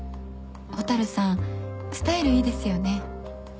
蛍さんスタイルいいですよね。